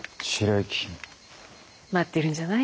待ってるんじゃない？